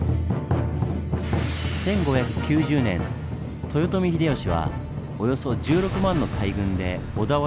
１５９０年豊臣秀吉はおよそ１６万の大軍で小田原を包囲。